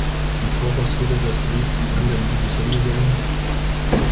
Im Voraus wurde das Lied "Kann denn Liebe Sünde sein?